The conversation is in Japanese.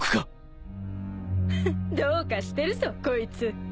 フッどうかしてるぞこいつ。